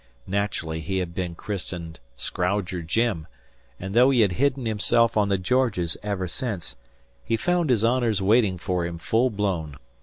Naturally, he had been christened "Scrowger Jim"; and though he had hidden himself on the Georges ever since, he found his honours waiting for him full blown.